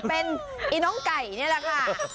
เป็นไอ้น้องไก่นี่แหละค่ะ